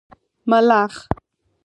🦗 ملخ